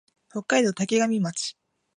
北海道滝上町